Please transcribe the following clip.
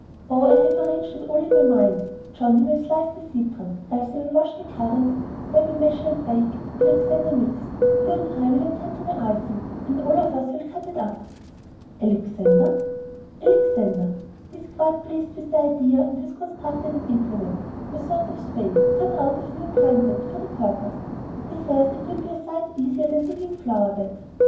Oh, I have arranged it all in my mind. Johnnie will slice the citron, Elsie will wash the currants, Debby measure and bake, Alexander mix, you and I will attend to the icing, and all of us will cut it up." "Alexander!" "Alexander. He is quite pleased with the idea, and has constructed an implement a sort of spade, cut out of new pine wood for the purpose. He says it will be a sight easier than digging flower beds.